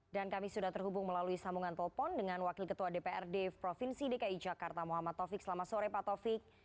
dan kami sudah terhubung melalui sambungan telepon dengan wakil ketua dprd provinsi dki jakarta muhammad taufik selamat sore pak taufik